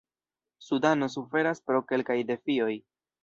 Sudano suferas pro kelkaj defioj.